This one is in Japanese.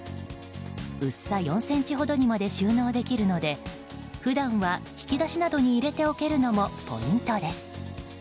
薄さ４ｃｍほどにまで収納できるので普段は引き出しなどに入れておけるのもポイントです。